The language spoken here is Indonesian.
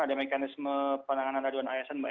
ada mekanisme penanganan aduan asn mbak